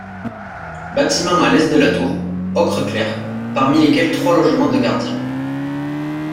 Bâtiment à l'est de la tour, ocre clair, parmi lesquels trois logements de gardiens.